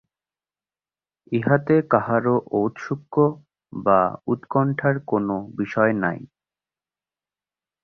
ইহাতে কাহারো ঔৎসুক্য বা উৎকণ্ঠার কোনো বিষয় নাই।